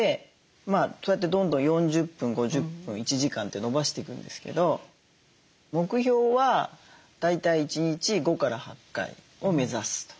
そうやってどんどん４０分５０分１時間って延ばしていくんですけど目標は大体１日５８回を目指すと。